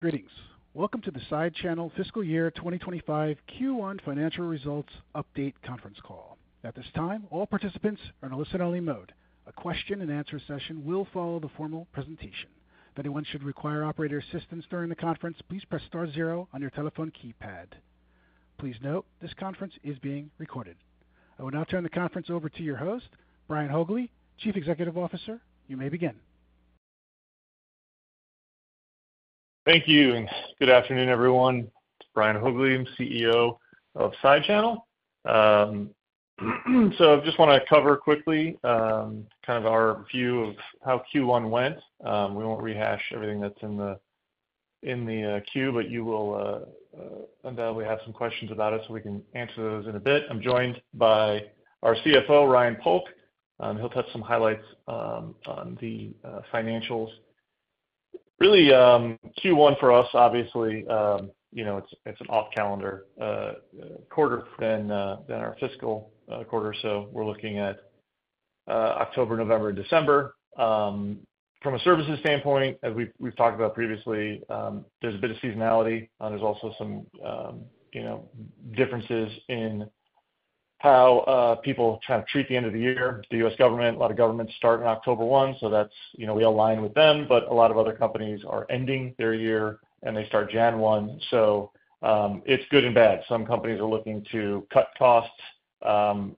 Greetings. Welcome to the SideChannel Fiscal Year 2025 Q1 Financial Results Update Conference Call. At this time, all participants are in a listen-only mode. A question-and-answer session will follow the formal presentation. If anyone should require operator assistance during the conference, please press star zero on your telephone keypad. Please note, this conference is being recorded. I will now turn the conference over to your host, Brian Haugli, Chief Executive Officer. You may begin. Thank you, and good afternoon, everyone. It's Brian Haugli. I'm CEO of SideChannel. I just want to cover quickly kind of our view of how Q1 went. We won't rehash everything that's in the queue, but you will undoubtedly have some questions about it, so we can answer those in a bit. I'm joined by our CFO, Ryan Polk. He'll touch some highlights on the financials. Really, Q1 for us, obviously, it's an off-calendar quarter than our fiscal quarter. We are looking at October, November, and December. From a services standpoint, as we've talked about previously, there's a bit of seasonality. There's also some differences in how people kind of treat the end of the year. The US government, a lot of governments start in October 1, so we align with them. A lot of other companies are ending their year, and they start January 1. It's good and bad. Some companies are looking to cut costs in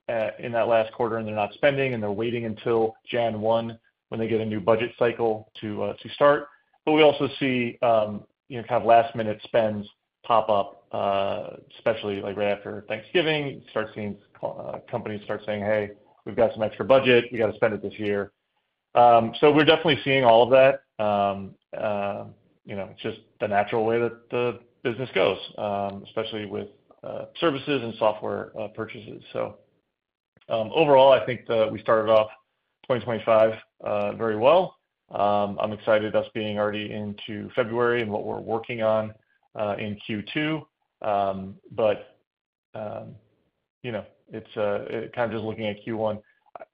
that last quarter, and they're not spending, and they're waiting until January 1 when they get a new budget cycle to start. We also see kind of last-minute spends pop up, especially right after Thanksgiving. You start seeing companies start saying, "Hey, we've got some extra budget. We got to spend it this year." We're definitely seeing all of that. It's just the natural way that the business goes, especially with services and software purchases. Overall, I think we started off 2025 very well. I'm excited us being already into February and what we're working on in Q2. It's kind of just looking at Q1.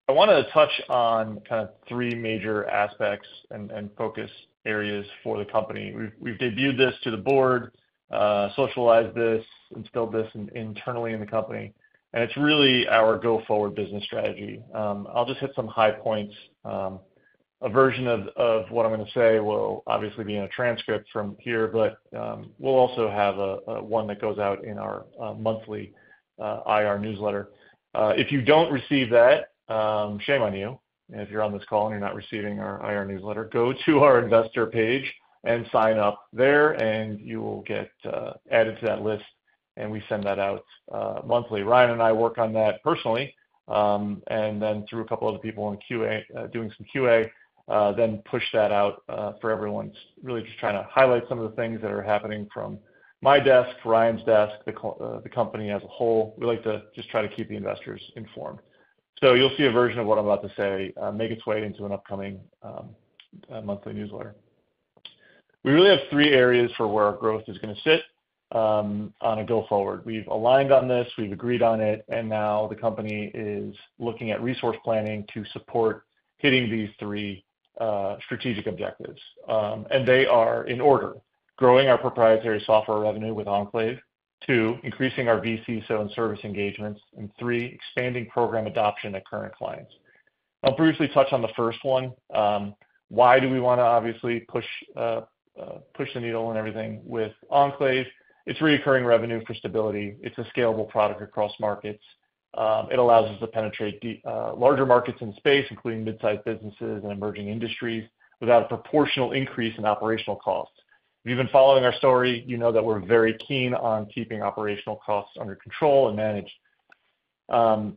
I want to touch on kind of three major aspects and focus areas for the company. We've debuted this to the board, socialized this, instilled this internally in the company. It's really our go-forward business strategy. I'll just hit some high points. A version of what I'm going to say will obviously be in a transcript from here, but we'll also have one that goes out in our monthly IR newsletter. If you don't receive that, shame on you. If you're on this call and you're not receiving our IR newsletter, go to our investor page and sign up there, and you will get added to that list, and we send that out monthly. Ryan and I work on that personally, and then through a couple of other people doing some QA, then push that out for everyone. It's really just trying to highlight some of the things that are happening from my desk, Ryan's desk, the company as a whole. We like to just try to keep the investors informed. You'll see a version of what I'm about to say make its way into an upcoming monthly newsletter. We really have three areas for where our growth is going to sit on a go-forward. We've aligned on this. We've agreed on it. The company is looking at resource planning to support hitting these three strategic objectives. They are in order: growing our proprietary software revenue with Enclave, two, increasing our vCISO, sale, and service engagements, and three, expanding program adoption at current clients. I'll briefly touch on the first one. Why do we want to obviously push the needle and everything with Enclave? It's recurring revenue for stability. It's a scalable product across markets. It allows us to penetrate larger markets in space, including mid-size businesses and emerging industries, without a proportional increase in operational costs. If you've been following our story, you know that we're very keen on keeping operational costs under control and managed.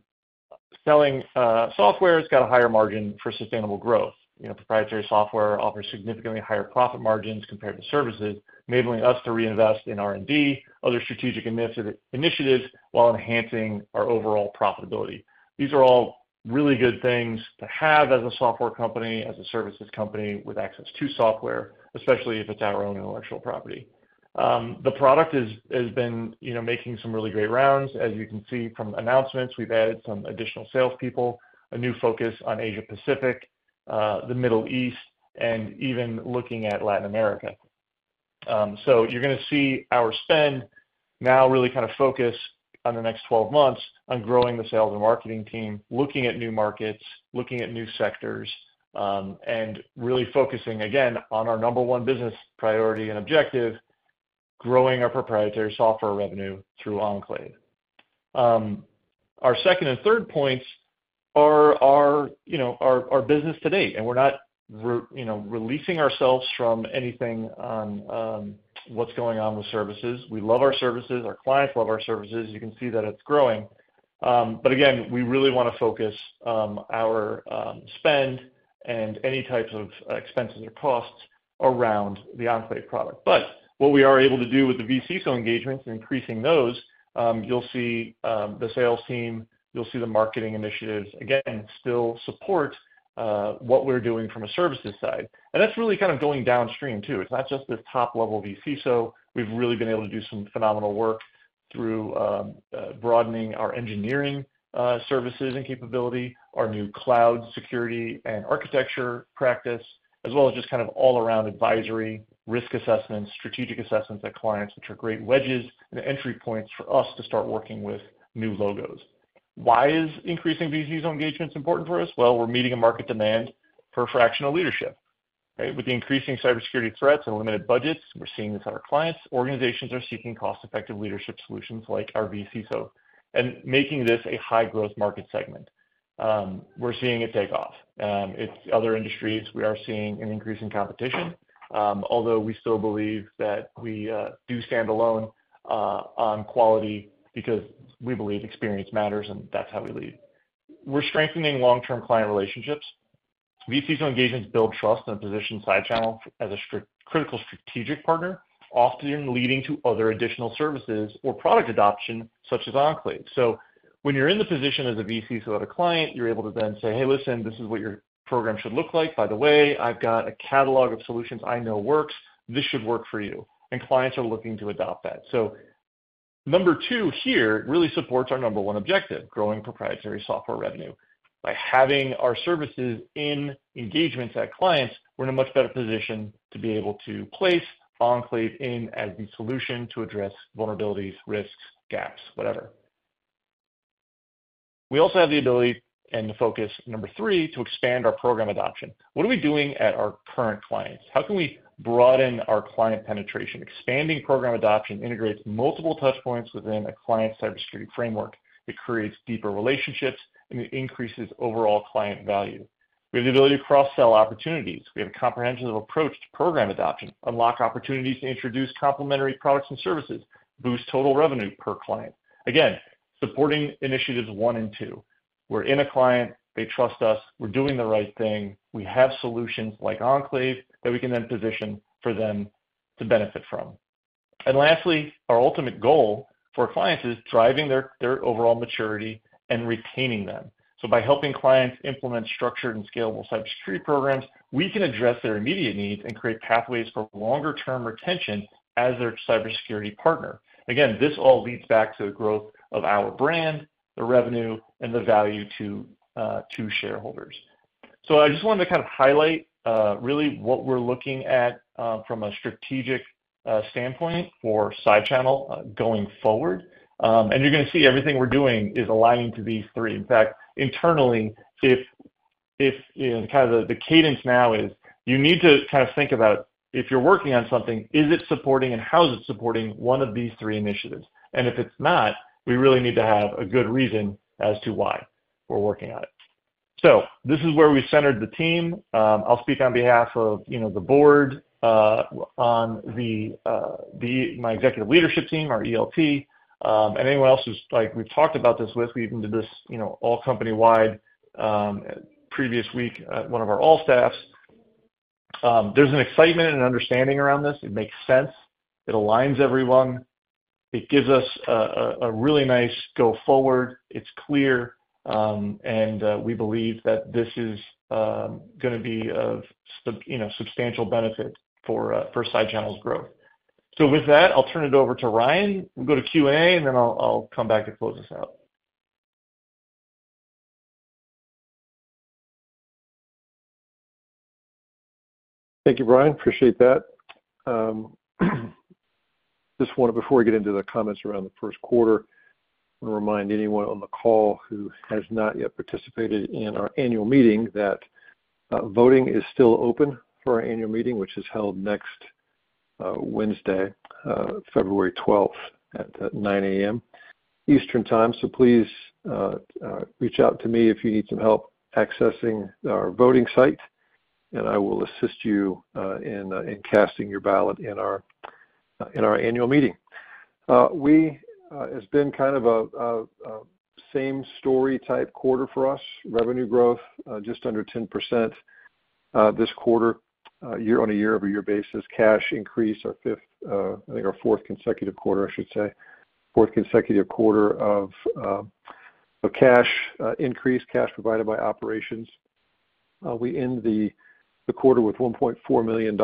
Selling software has got a higher margin for sustainable growth. Proprietary software offers significantly higher profit margins compared to services, enabling us to reinvest in R&D, other strategic initiatives, while enhancing our overall profitability. These are all really good things to have as a software company, as a services company with access to software, especially if it's our own intellectual property. The product has been making some really great rounds. As you can see from announcements, we've added some additional salespeople, a new focus on Asia-Pacific, the Middle East, and even looking at Latin America. You're going to see our spend now really kind of focus on the next 12 months on growing the sales and marketing team, looking at new markets, looking at new sectors, and really focusing, again, on our number one business priority and objective, growing our proprietary software revenue through Enclave. Our second and third points are our business today. We're not releasing ourselves from anything on what's going on with services. We love our services. Our clients love our services. You can see that it's growing. Again, we really want to focus our spend and any types of expenses or costs around the Enclave product. What we are able to do with the vCISO engagements and increasing those, you'll see the sales team, you'll see the marketing initiatives, again, still support what we're doing from a services side. That's really kind of going downstream too. It's not just this top-level vCISO. We've really been able to do some phenomenal work through broadening our engineering services and capability, our new cloud security and architecture practice, as well as just kind of all-around advisory, risk assessments, strategic assessments at clients, which are great wedges and entry points for us to start working with new logos. Why is increasing vCISO engagements important for us? We're meeting a market demand for fractional leadership. With the increasing cybersecurity threats and limited budgets, we're seeing this at our clients. Organizations are seeking cost-effective leadership solutions like our vCISO and making this a high-growth market segment. We're seeing it take off. It's other industries. We are seeing an increase in competition, although we still believe that we do stand alone on quality because we believe experience matters, and that's how we lead. We're strengthening long-term client relationships. vCISO engagements build trust and position SideChannel as a critical strategic partner, often leading to other additional services or product adoption such as Enclave. When you're in the position as a vCISO at a client, you're able to then say, "Hey, listen, this is what your program should look like. By the way, I've got a catalog of solutions I know works. This should work for you." Clients are looking to adopt that. Number two here really supports our number one objective, growing proprietary software revenue. By having our services in engagements at clients, we're in a much better position to be able to place Enclave in as the solution to address vulnerabilities, risks, gaps, whatever. We also have the ability and the focus, number three, to expand our program adoption. What are we doing at our current clients? How can we broaden our client penetration? Expanding program adoption integrates multiple touchpoints within a client cybersecurity framework. It creates deeper relationships and increases overall client value. We have the ability to cross-sell opportunities. We have a comprehensive approach to program adoption, unlock opportunities to introduce complementary products and services, boost total revenue per client. Again, supporting initiatives one and two. We are in a client. They trust us. We are doing the right thing. We have solutions like Enclave that we can then position for them to benefit from. Lastly, our ultimate goal for clients is driving their overall maturity and retaining them. By helping clients implement structured and scalable cybersecurity programs, we can address their immediate needs and create pathways for longer-term retention as their cybersecurity partner. Again, this all leads back to the growth of our brand, the revenue, and the value to shareholders. I just wanted to kind of highlight really what we're looking at from a strategic standpoint for SideChannel going forward. You're going to see everything we're doing is aligning to these three. In fact, internally, kind of the cadence now is you need to kind of think about if you're working on something, is it supporting and how is it supporting one of these three initiatives? If it's not, we really need to have a good reason as to why we're working on it. This is where we centered the team. I'll speak on behalf of the board, on my executive leadership team, our ELT, and anyone else who's like we've talked about this with. We even did this all-company-wide previous week at one of our all staffs. There's an excitement and understanding around this. It makes sense. It aligns everyone. It gives us a really nice go-forward. It's clear. We believe that this is going to be of substantial benefit for SideChannel's growth. With that, I'll turn it over to Ryan. We'll go to Q&A, and then I'll come back to close this out. Thank you, Brian. Appreciate that. Just wanted, before we get into the comments around the Q1, I want to remind anyone on the call who has not yet participated in our annual meeting that voting is still open for our annual meeting, which is held next Wednesday, February 12th, at 9:00 A.M. Eastern Time. Please reach out to me if you need some help accessing our voting site, and I will assist you in casting your ballot in our annual meeting. It's been kind of a same-story type quarter for us. Revenue growth just under 10% this quarter, year-on-year, every year basis. Cash increased our fifth, I think our fourth consecutive quarter, I should say, fourth consecutive quarter of cash increase, cash provided by operations. We end the quarter with $1.4 million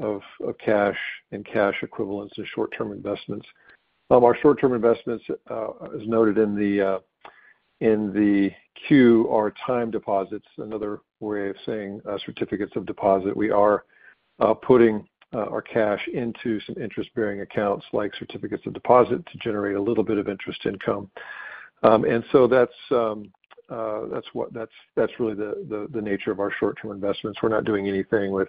of cash and cash equivalents and short-term investments. Our short-term investments, as noted in the Q, are time deposits, another way of saying certificates of deposit. We are putting our cash into some interest-bearing accounts like certificates of deposit to generate a little bit of interest income. That is really the nature of our short-term investments. We're not doing anything with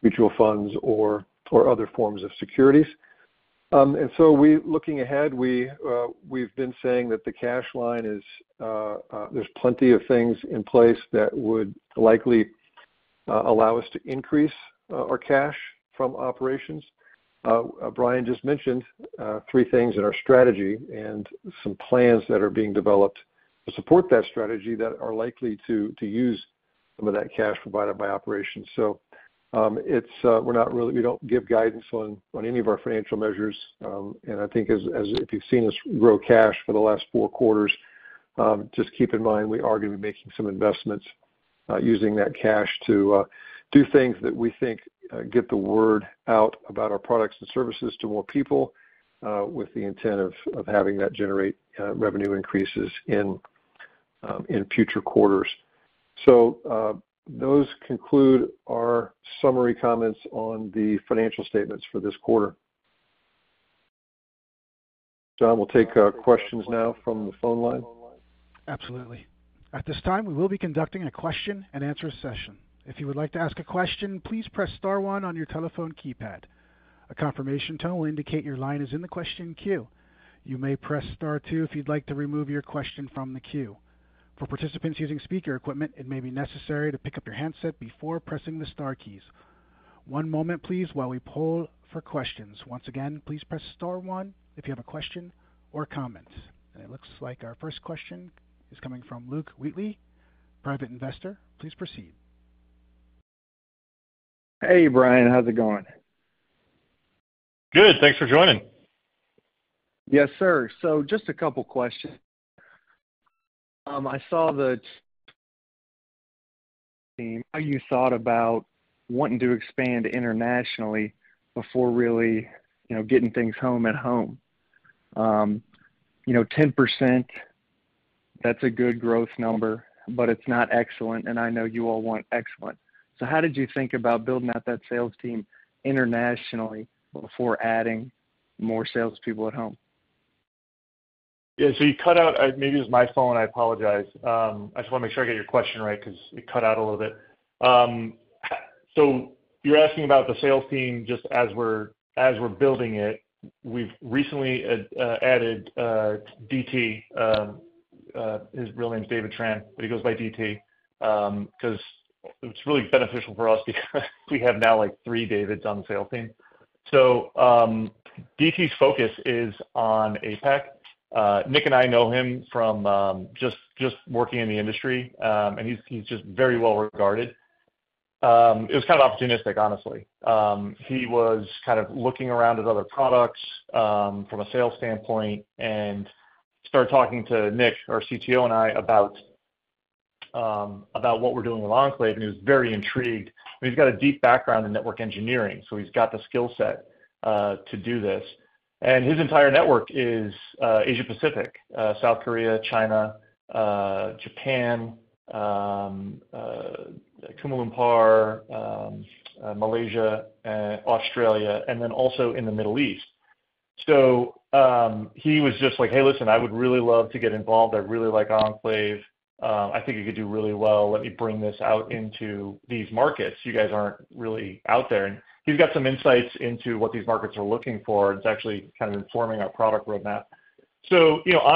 mutual funds or other forms of securities. Looking ahead, we've been saying that the cash line is there's plenty of things in place that would likely allow us to increase our cash from operations. Brian just mentioned three things in our strategy and some plans that are being developed to support that strategy that are likely to use some of that cash provided by operations. We don't give guidance on any of our financial measures. If you've seen us grow cash for the last four quarters, just keep in mind we are going to be making some investments using that cash to do things that we think get the word out about our products and services to more people with the intent of having that generate revenue increases in future quarters. Those conclude our summary comments on the financial statements for this quarter. John, we'll take questions now from the phone line. Absolutely. At this time, we will be conducting a question-and-answer session. If you would like to ask a question, please press star one on your telephone keypad. A confirmation tone will indicate your line is in the question queue. You may press star two if you'd like to remove your question from the queue. For participants using speaker equipment, it may be necessary to pick up your handset before pressing the star keys. One moment, please, while we poll for questions. Once again, please press star one if you have a question or comment. It looks like our first question is coming from Luke Wheatley, private investor. Please proceed. Hey, Brian. How's it going? Good. Thanks for joining. Yes, sir. Just a couple of questions. I saw the team, how you thought about wanting to expand internationally before really getting things home at home. 10% is a good growth number, but it's not excellent. I know you all want excellent. How did you think about building out that sales team internationally before adding more salespeople at home? Yeah. You cut out. Maybe it was my phone. I apologize. I just want to make sure I get your question right because it cut out a little bit. You're asking about the sales team just as we're building it. We've recently added DT. His real name is David Tran, but he goes by DT because it's really beneficial for us because we have now three Davids on the sales team. DT's focus is on APAC. Nick and I know him from just working in the industry, and he's just very well regarded. It was kind of opportunistic, honestly. He was kind of looking around at other products from a sales standpoint and started talking to Nick, our CTO, and me about what we're doing with Enclave. He was very intrigued. He's got a deep background in network engineering, so he's got the skill set to do this. His entire network is Asia-Pacific, South Korea, China, Japan, Kuala Lumpur, Malaysia, Australia, and also in the Middle East. He was just like, "Hey, listen, I would really love to get involved. I really like Enclave. I think you could do really well. Let me bring this out into these markets. You guys aren't really out there." He's got some insights into what these markets are looking for. It's actually kind of informing our product roadmap.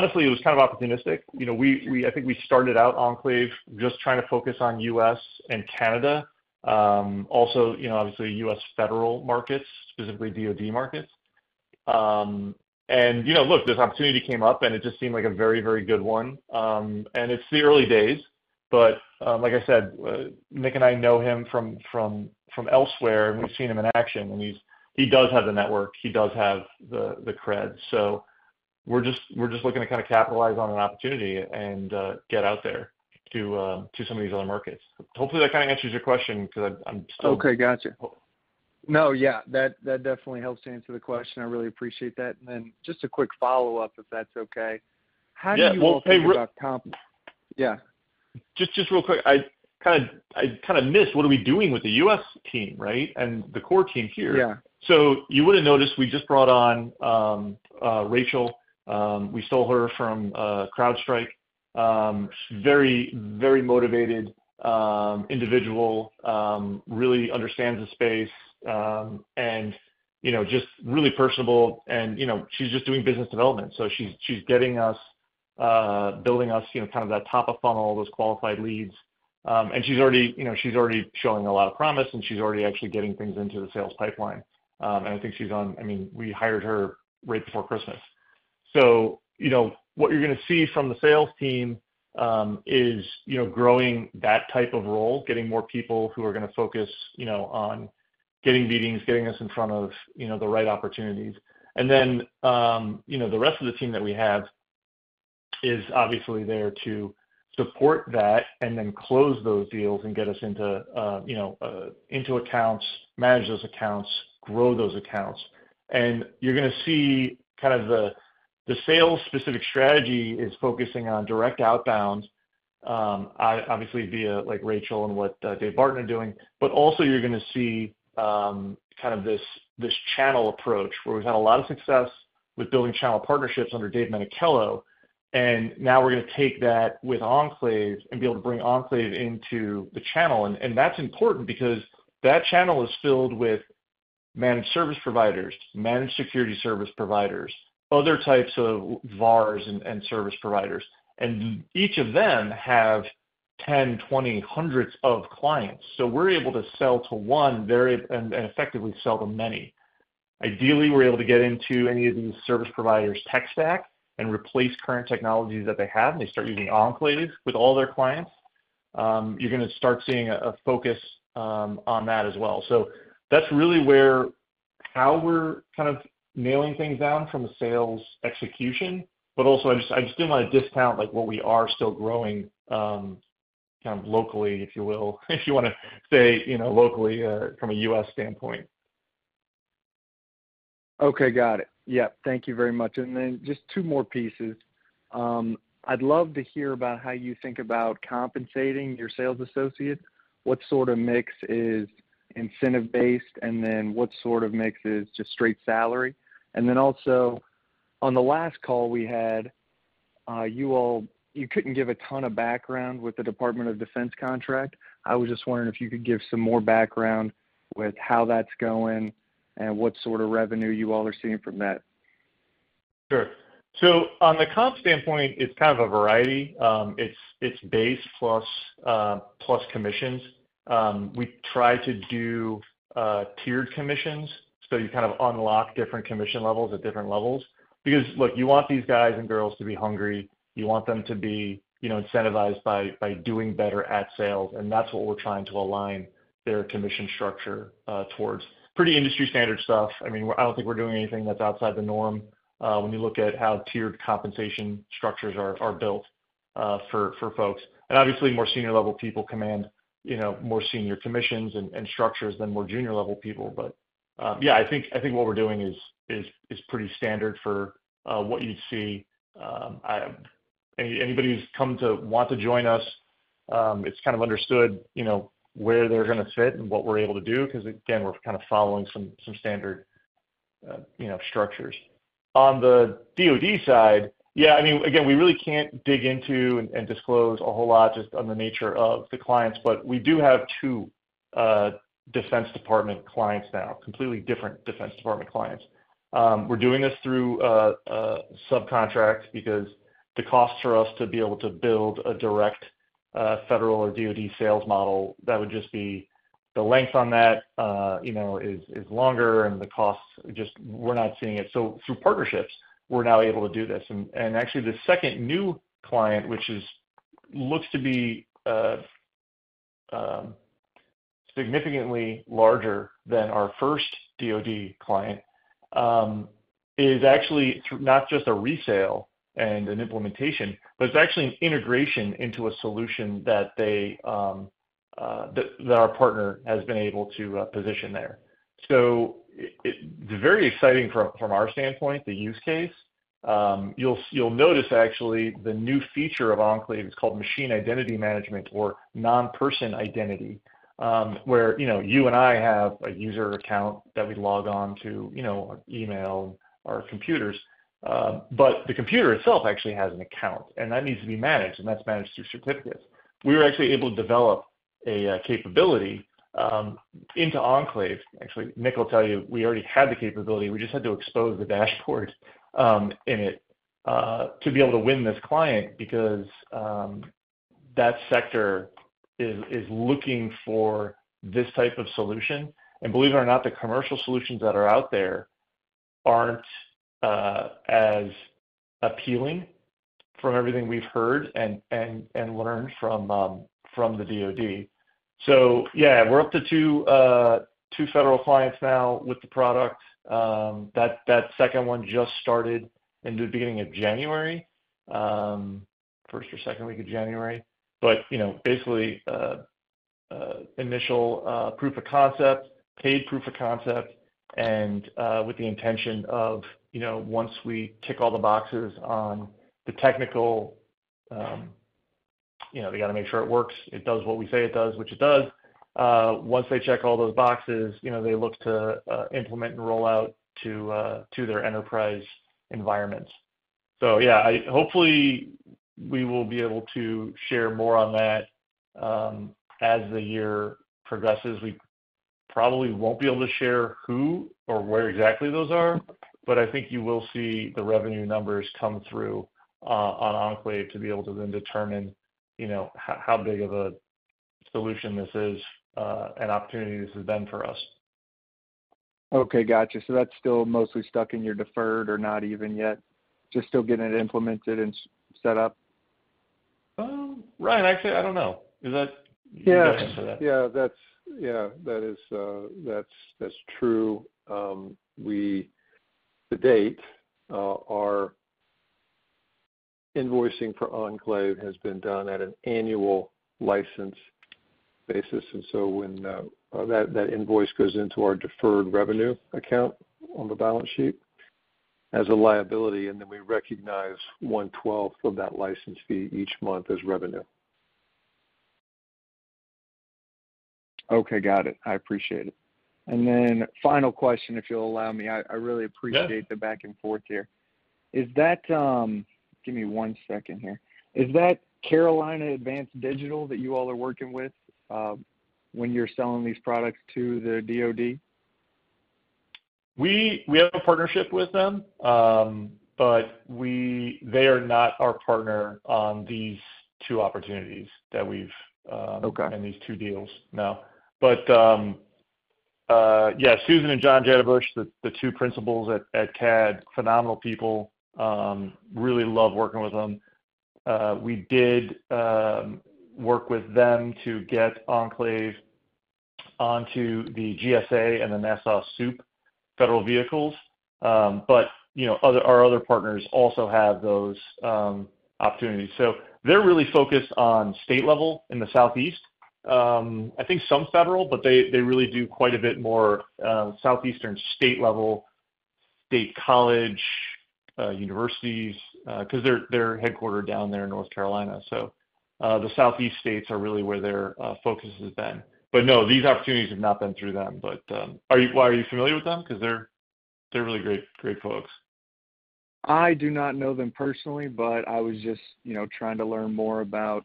Honestly, it was kind of opportunistic. I think we started out Enclave just trying to focus on US and Canada, also obviously US federal markets, specifically DOD markets. Look, this opportunity came up, and it just seemed like a very, very good one. It's the early days. Like I said, Nick and I know him from elsewhere, and we've seen him in action. He does have the network. He does have the cred. We're just looking to kind of capitalize on an opportunity and get out there to some of these other markets. Hopefully, that kind of answers your question because I'm still. Okay. Gotcha. No, yeah. That definitely helps to answer the question. I really appreciate that. Just a quick follow-up, if that's okay. How do you work with. Yeah. Hey. Yeah. Just real quick, I kind of missed what are we doing with the US team, right, and the core team here. You would not have noticed we just brought on Rachel. We stole her from CrowdStrike. Very motivated individual, really understands the space, and just really personable. She is just doing business development. She is getting us, building us kind of that top-of-funnel, those qualified leads. She is already showing a lot of promise, and she is already actually getting things into the sales pipeline. I think she is on, I mean, we hired her right before Christmas. What you are going to see from the sales team is growing that type of role, getting more people who are going to focus on getting meetings, getting us in front of the right opportunities. The rest of the team that we have is obviously there to support that and then close those deals and get us into accounts, manage those accounts, grow those accounts. You're going to see kind of the sales-specific strategy is focusing on direct outbound, obviously via Rachel and what Dave Barton are doing. You're also going to see kind of this channel approach where we've had a lot of success with building channel partnerships under Dave Menichello. Now we're going to take that with Enclave and be able to bring Enclave into the channel. That is important because that channel is filled with managed service providers, managed security service providers, other types of VARs and service providers. Each of them have 10, 20, hundreds of clients. We're able to sell to one and effectively sell to many. Ideally, we're able to get into any of these service providers' tech stack and replace current technologies that they have, and they start using Enclave with all their clients. You're going to start seeing a focus on that as well. That is really where how we're kind of nailing things down from a sales execution. I just didn't want to discount what we are still growing kind of locally, if you will, if you want to say locally from a US standpoint. Okay. Got it. Yep. Thank you very much. I would love to hear about how you think about compensating your sales associates. What sort of mix is incentive-based, and what sort of mix is just straight salary? Also, on the last call, we had you all, you could not give a ton of background with the Department of Defense contract. I was just wondering if you could give some more background with how that is going and what sort of revenue you all are seeing from that. Sure. On the comp standpoint, it's kind of a variety. It's base plus commissions. We try to do tiered commissions. You kind of unlock different commission levels at different levels. Look, you want these guys and girls to be hungry. You want them to be incentivized by doing better at sales. That's what we're trying to align their commission structure towards. Pretty industry-standard stuff. I mean, I don't think we're doing anything that's outside the norm when you look at how tiered compensation structures are built for folks. Obviously, more senior-level people command more senior commissions and structures than more junior-level people. Yeah, I think what we're doing is pretty standard for what you'd see. Anybody who's come to want to join us, it's kind of understood where they're going to fit and what we're able to do because, again, we're kind of following some standard structures. On the DOD side, yeah, I mean, again, we really can't dig into and disclose a whole lot just on the nature of the clients. We do have two Department of Defense clients now, completely different Department of Defense clients. We're doing this through subcontract because the cost for us to be able to build a direct federal or DOD sales model, that would just be the length on that is longer, and the costs just we're not seeing it. Through partnerships, we're now able to do this. Actually, the second new client, which looks to be significantly larger than our first DOD client, is actually not just a resale and an implementation, but it's actually an integration into a solution that our partner has been able to position there. It is very exciting from our standpoint, the use case. You'll notice actually the new feature of Enclave. It's called machine identity management or non-person identity, where you and I have a user account that we log on to email or computers. The computer itself actually has an account, and that needs to be managed, and that's managed through certificates. We were actually able to develop a capability into Enclave. Actually, Nick will tell you we already had the capability. We just had to expose the dashboard in it to be able to win this client because that sector is looking for this type of solution. Believe it or not, the commercial solutions that are out there are not as appealing from everything we have heard and learned from the DOD. We are up to two federal clients now with the product. That second one just started in the beginning of January, first or second week of January. Basically, initial proof of concept, paid proof of concept, and with the intention of once we tick all the boxes on the technical, we have to make sure it works. It does what we say it does, which it does. Once they check all those boxes, they look to implement and roll out to their enterprise environments. Hopefully, we will be able to share more on that as the year progresses. We probably won't be able to share who or where exactly those are, but I think you will see the revenue numbers come through on Enclave to be able to then determine how big of a solution this is and opportunity this has been for us. Okay. Gotcha. That is still mostly stuck in your deferred or not even yet? Just still getting it implemented and set up? Ryan, actually, I don't know. Is that your answer to that? Yeah. Yeah. That's true. To date, our invoicing for Enclave has been done at an annual license basis. When that invoice goes into our deferred revenue account on the balance sheet as a liability, we recognize one-twelfth of that license fee each month as revenue. Okay. Got it. I appreciate it. Final question, if you'll allow me. I really appreciate the back and forth here. Give me one second here. Is that Carolina Advanced Digital that you all are working with when you're selling these products to the DOD? We have a partnership with them, but they are not our partner on these two opportunities that we've and these two deals now. Yeah, Susan and John Jetterbush, the two principals at Carolina Advanced Digital, phenomenal people. Really love working with them. We did work with them to get Enclave onto the GSA and the NASA SEWP federal vehicles. Our other partners also have those opportunities. They are really focused on state level in the southeast. I think some federal, but they really do quite a bit more southeastern state level, state college, universities because they're headquartered down there in North Carolina. The southeast states are really where their focus has been. No, these opportunities have not been through them. Why are you familiar with them? They're really great folks. I do not know them personally, but I was just trying to learn more about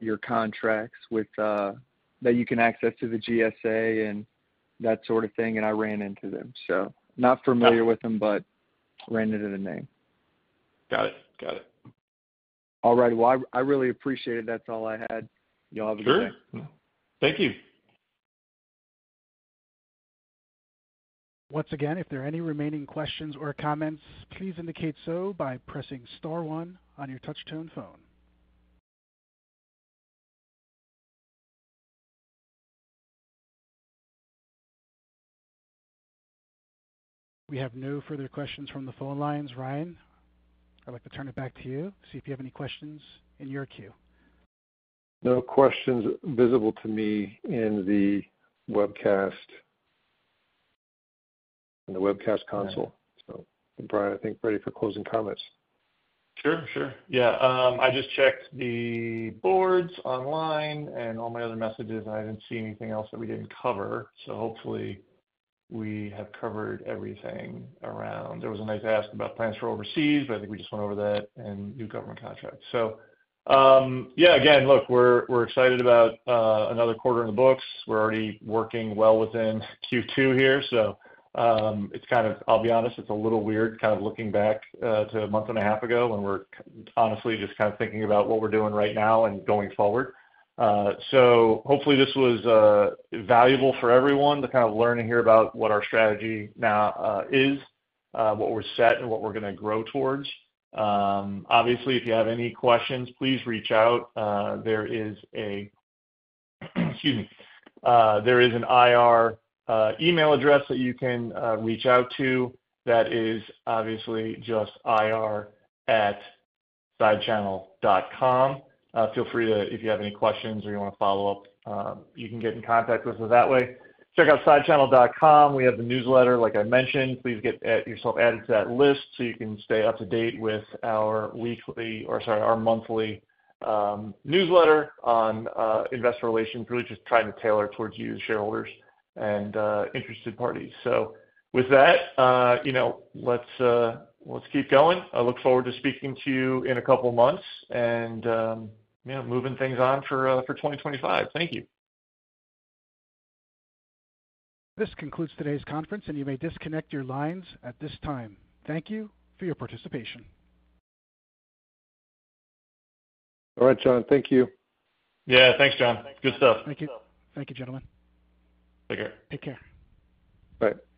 your contracts that you can access to the GSA and that sort of thing. I ran into them. Not familiar with them, but ran into the name. Got it. Got it. All right. I really appreciate it. That's all I had. Y'all have a good day. Sure. Thank you. Once again, if there are any remaining questions or comments, please indicate so by pressing Star 1 on your touch-tone phone. We have no further questions from the phone lines. Ryan, I'd like to turn it back to you. See if you have any questions in your queue. No questions visible to me in the webcast console. Brian, I think ready for closing comments. Sure. Yeah. I just checked the boards online and all my other messages, and I didn't see anything else that we didn't cover. Hopefully, we have covered everything around. There was a nice ask about plans for overseas, but I think we just went over that and new government contracts. Yeah, again, look, we're excited about another quarter in the books. We're already working well within Q2 here. It's kind of, I'll be honest, a little weird kind of looking back to a month and a half ago when we're honestly just kind of thinking about what we're doing right now and going forward. Hopefully, this was valuable for everyone to kind of learn and hear about what our strategy now is, what we're set, and what we're going to grow towards. Obviously, if you have any questions, please reach out. There is a—excuse me—there is an IR email address that you can reach out to. That is obviously just ir@sidechannel.com. Feel free to, if you have any questions or you want to follow up, you can get in contact with us that way. Check out sidechannel.com. We have the newsletter, like I mentioned. Please get yourself added to that list so you can stay up to date with our weekly or, sorry, our monthly newsletter on investor relations, really just trying to tailor towards you, shareholders, and interested parties. With that, let's keep going. I look forward to speaking to you in a couple of months and moving things on for 2025. Thank you. This concludes today's conference, and you may disconnect your lines at this time. Thank you for your participation. All right, John. Thank you. Yeah. Thanks, John. Good stuff. Thank you. Thank you, gentlemen. Take care. Take care. All right.